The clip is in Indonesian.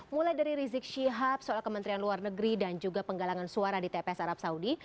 mulai dari rizik syihab soal kementerian luar negeri dan juga penggalangan suara di tps arab saudi